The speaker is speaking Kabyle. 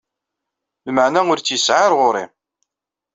Lmeɛna ur tt-yesɛi ɣer ɣur-i.